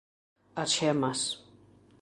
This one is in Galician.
As xemas.